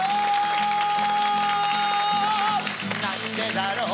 なんでだろう